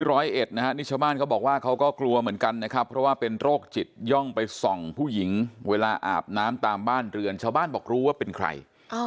ร้อยเอ็ดนะฮะนี่ชาวบ้านเขาบอกว่าเขาก็กลัวเหมือนกันนะครับเพราะว่าเป็นโรคจิตย่องไปส่องผู้หญิงเวลาอาบน้ำตามบ้านเรือนชาวบ้านบอกรู้ว่าเป็นใคร